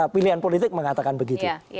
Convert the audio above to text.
pilihan politik mengatakan begitu